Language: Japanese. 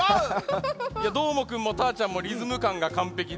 どーもくんもたーちゃんもリズムかんがかんぺきで。